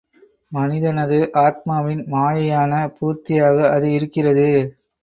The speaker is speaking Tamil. மனிதனது ஆத்மாவின் மாயையான பூர்த்தியாக அது இருக்கிறது.